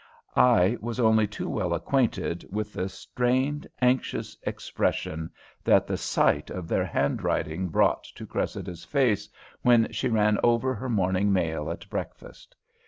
I was only too well acquainted with the strained, anxious expression that the sight of their handwriting brought to Cressida's face when she ran over her morning mail at breakfast.